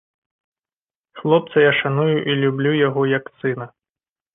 Хлопца я шаную і люблю яго, як сына.